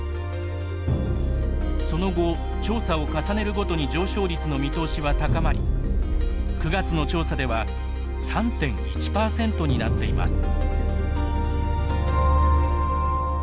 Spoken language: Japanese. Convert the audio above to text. その後調査を重ねるごとに上昇率の見通しは高まり９月の調査では３．１％になっています。